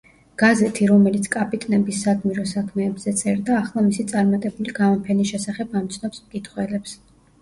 გაზეთი, რომელიც კაპიტნების „საგმირო საქმეებზე“ წერდა, ახლა მისი წარმატებული გამოფენის შესახებ ამცნობს მკითხველებს.